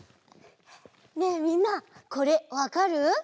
ねえみんなこれわかる？